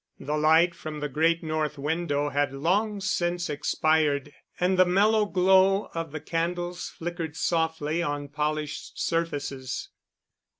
The light from the great north window had long since expired and the mellow glow of the candles flickered softly on polished surfaces.